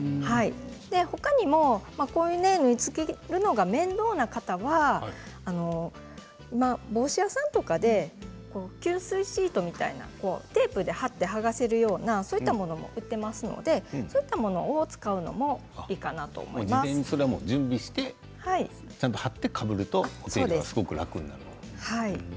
他にも縫い付けるのが面倒な方は帽子屋さんとかで吸水シートみたいなテープで貼って剥がせるようなものも売っていますのでそういったものを使うのもいいん事前に準備して貼ってかぶるといいということですね。